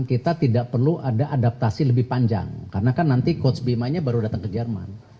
kita tidak perlu ada adaptasi lebih panjang karena kan nanti coach bima nya baru datang ke jerman